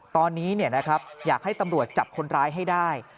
ตอนนี้อยากให้ตำรวจจับคนร้ายให้ได้